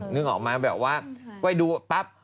นึกออกมั้ยว่าเวลาดูปั๊บ